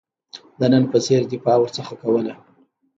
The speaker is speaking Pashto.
د نن په څېر دفاع ورڅخه کوله.